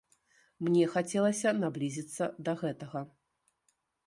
Мне хацелася наблізіцца да гэтага.